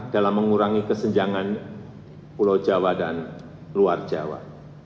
dalam mengurangi kesenjangan pulau jawa dan luar jawa